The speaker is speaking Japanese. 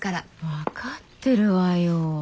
分かってるわよ。